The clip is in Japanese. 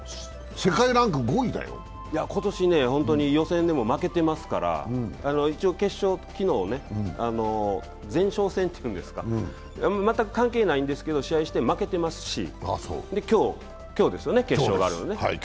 今年、予選でも負けてますから決勝、昨日、前哨戦っていうんですか全く関係ないんですけど試合して、負けてますし、今日ですよね、決勝があるのね。